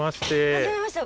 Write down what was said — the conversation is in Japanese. はじめまして。